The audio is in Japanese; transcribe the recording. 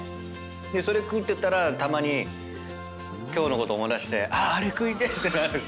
それ食ってたらたまに今日のこと思い出してあれ食いてえってなるし。